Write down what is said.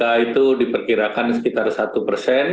ya itu diperkirakan sekitar satu persen